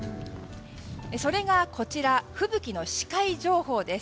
それがこちら吹雪の視界情報です。